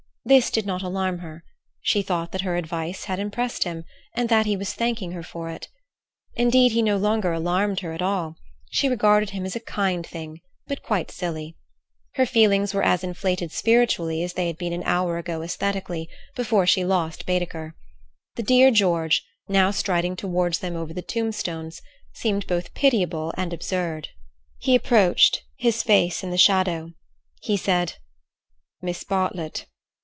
This did not alarm her; she thought that her advice had impressed him and that he was thanking her for it. Indeed, he no longer alarmed her at all; she regarded him as a kind thing, but quite silly. Her feelings were as inflated spiritually as they had been an hour ago esthetically, before she lost Baedeker. The dear George, now striding towards them over the tombstones, seemed both pitiable and absurd. He approached, his face in the shadow. He said: "Miss Bartlett."